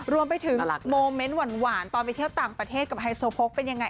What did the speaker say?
รวมไปถึงโมเมนต์หวานตอนไปเที่ยวต่างประเทศกับไฮโซโพกเป็นยังไง